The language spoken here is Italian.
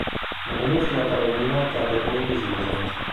La minuscola carolina cadde poi in disuso.